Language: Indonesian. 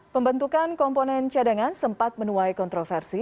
pembentukan komponen cadangan sempat menuai kontroversi